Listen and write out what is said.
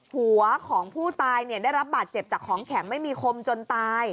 หัวของผู้ตายได้รับบาดเจ็บจากของแข็งไม่มีคมจนตาย